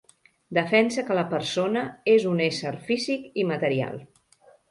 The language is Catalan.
Defensa que la persona és un ésser físic i material.